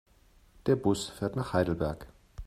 Der Bus fährt nach Heidelberg